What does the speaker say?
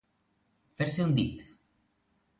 Fer-se un dit.